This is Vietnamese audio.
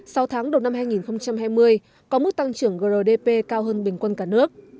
sau tháng đầu năm hai nghìn hai mươi có mức tăng trưởng grdp cao hơn bình quân cả nước